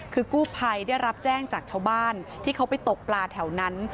คือกู้ภัยได้รับแจ้งจากชาวบ้านที่เขาไปตกปลาแถวนั้น